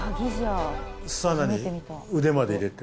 巣穴に腕まで入れて。